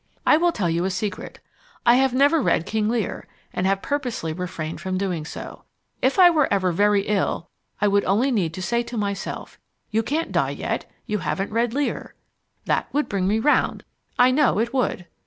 I will tell you a secret. I have never read King Lear, and have purposely refrained from doing so. If I were ever very ill I would only need to say to myself "You can't die yet, you haven't read Lear." That would bring me round, I know it would.